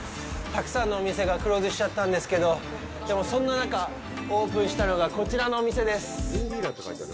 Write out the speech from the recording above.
たくさんのお店がクローズしちゃったんですけど、そんな中オープンしたのが、こちらのお店です。